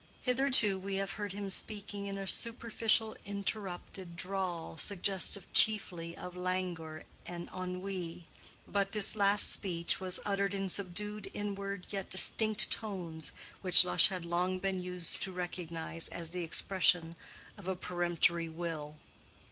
Hitherto we have heard him speaking in a superficial interrupted drawl suggestive chiefly of languor and ennui. But this last brief speech was uttered in subdued inward, yet distinct, tones, which Lush had long been used to recognize as the expression of a peremptory will.